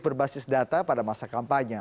berbasis data pada masa kampanye